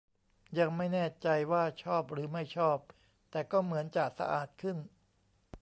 ยังไม่แน่ใจว่าชอบหรือไม่ชอบ แต่ก็เหมือนจะสะอาดขึ้น